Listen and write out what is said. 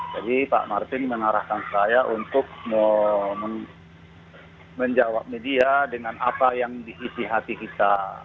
jadi pak martin mengarahkan saya untuk menjawab media dengan apa yang diisi hati kita